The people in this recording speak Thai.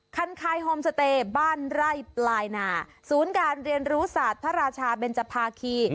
คันคายโฮมสเตย์บ้านไร่ปลายนาศูนย์การเรียนรู้ศาสตร์พระราชาเบนจภาคี